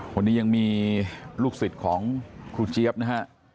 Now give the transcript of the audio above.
วันนี้ยังมีลูกศิษย์ของครูเจี๊ยบนะฮะ